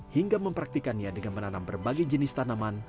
hingga mempraktikannya dengan menanam berbagai jenis tanaman